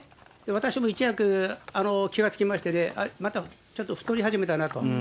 私も一躍気が付きまして、またちょっと太り始めたなと。